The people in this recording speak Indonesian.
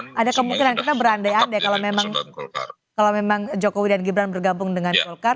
tapi ada kemungkinan kita berandai andai kalau memang jokowi dan gibran bergabung dengan golkar